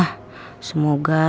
semoga semua makasih